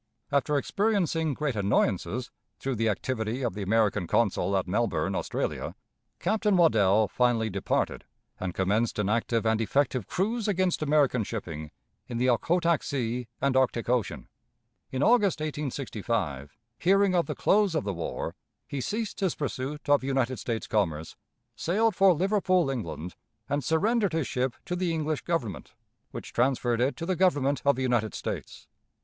After experiencing great annoyances, through the activity of the American consul at Melbourne, Australia, Captain Waddell finally departed, and commenced an active and effective cruise against American shipping in the Okhotak Sea and Arctic Ocean. In August, 1865, hearing of the close of the war, he ceased his pursuit of United States commerce, sailed for Liverpool, England, and surrendered his ship to the English Government, which transferred it to the Government of the United States.